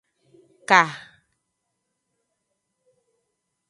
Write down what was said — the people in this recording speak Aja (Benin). Ka.